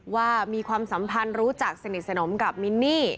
ว่ามีความสัมพันธ์รู้จักสนิทสนมกับมินนี่